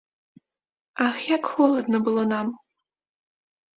Ах, як холадна было нам.